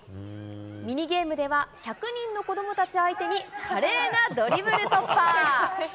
ミニゲームでは、１００人の子どもたち相手に、華麗なドリブル突破。